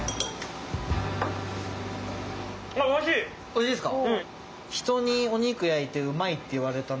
おいしいよ。